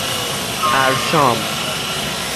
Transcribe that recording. اَرشام